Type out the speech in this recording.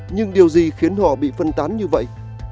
nhưng điều gì khiến họ bị phân tán như vậy